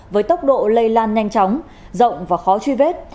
với tốc độ lây lan nhanh chóng rộng và khó truy vết